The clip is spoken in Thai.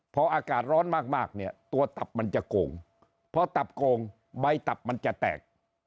พออากาศร้อนมากเนี่ยตัวตับมันจะโกงพอตับโกงใบตับมันจะแตก